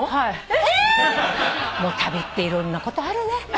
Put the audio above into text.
旅っていろんなことあるね。